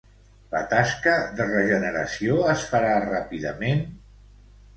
La tasca de regeneració es farà ràpidament?